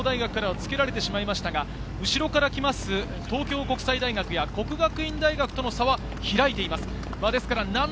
小涌園よりも少し差をつけられてしまいましたが、後から来る東京国際大学や國學院大學との差は開いています。